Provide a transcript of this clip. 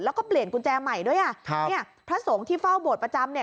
แล้วก็เปลี่ยนกุญแจใหม่ด้วยอ่ะครับเนี่ยพระสงฆ์ที่เฝ้าโบสถประจำเนี่ย